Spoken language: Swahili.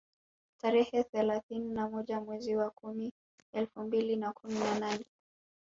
Tarehe thelathini na moja mwezi wa kumi elfu mbili na kumi na nane